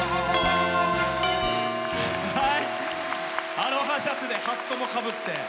アロハシャツでハットもかぶって。